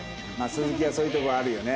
鈴木はそういうところあるよね。